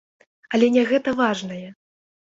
Але не гэта важнае.